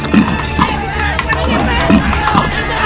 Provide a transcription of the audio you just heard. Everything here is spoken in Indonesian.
ayo ke pen itu